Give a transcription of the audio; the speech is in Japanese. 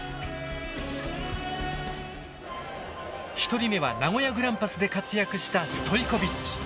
１人目は名古屋グランパスで活躍したストイコビッチ。